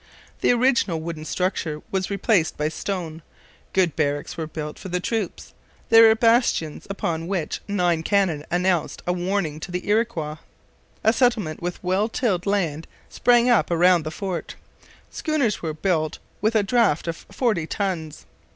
The original wooden structure was replaced by stone, good barracks were built for the troops, there were bastions upon which nine cannon announced a warning to the Iroquois, a settlement with well tilled land sprang up around the fort, schooners were built with a draught of forty tons.